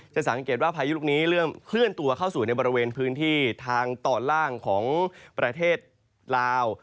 สังเกตว่าพายุลูกนี้เริ่มเคลื่อนตัวเข้าสู่ในบริเวณพื้นที่ทางตอนล่างของประเทศลาว